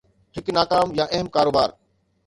هڪ ناڪام يا اهم ڪاروبار